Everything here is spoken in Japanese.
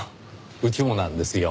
うちもなんですよ。